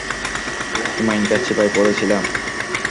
কী মাইনকার চিপায় পড়েছিলাম।